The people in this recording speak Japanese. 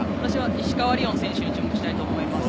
石川璃音選手に注目したいと思います。